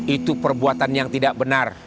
itu perbuatan yang tidak benar